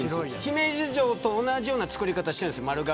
姫路城と同じような造りをしているんです。